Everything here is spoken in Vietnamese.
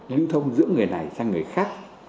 lưu thông giữa người này sang người khác